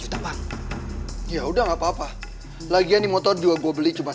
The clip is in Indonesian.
atas petunjukmu ya allah